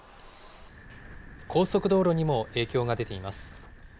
高速道路にも影響が出ています。